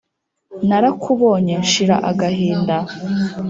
narakubonye nshira agahinda